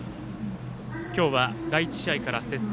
今日は第１試合から接戦。